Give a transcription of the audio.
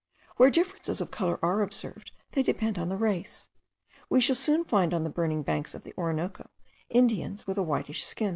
Where differences of colour are observed, they depend on the race. We shall soon find on the burning banks of the Orinoco Indians with a whitish skin.